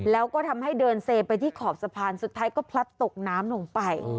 แล้วก็ทำให้เดินเซไปที่ขอบสะพานสุดท้ายก็พลัดตกน้ำลงไป